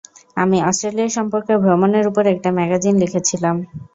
আমি অস্ট্রেলিয়া সম্পর্কে ভ্রমণের উপর একটা ম্যাগাজিন লিখেছিলাম।